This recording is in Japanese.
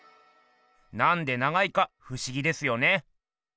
なんで長いかふしぎですよね。